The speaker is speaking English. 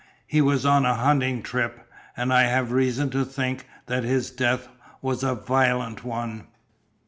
"He was on a hunting trip, and I have reason to think that his death was a violent one."